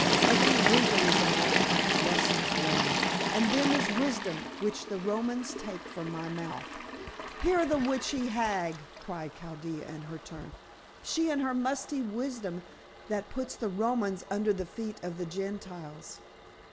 "Every wrinkle is the mark of lessons learned, and them is wisdom which the Romans take from my mouth." "Hear the witchly hag," cried Chaldea in her turn. "She and her musty wisdom that puts the Romans under the feet of the Gentiles.